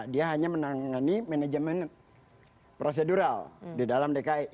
dia hanya menangani manajemen prosedural di dalam dki